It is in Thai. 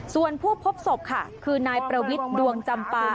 ส่วนผู้พบศพค่ะคือนายประวิทย์ดวงจำปา